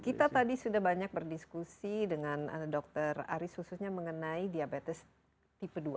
kita tadi sudah banyak berdiskusi dengan dr aris khususnya mengenai diabetes tipe dua